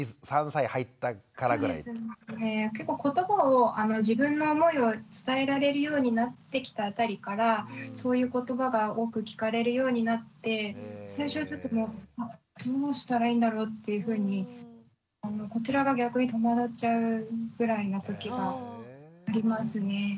結構言葉を自分の思いを伝えられるようになってきたあたりからそういう言葉が多く聞かれるようになって最初はどうしたらいいんだろうっていうふうにこちらが逆に戸惑っちゃうぐらいなときがありますね。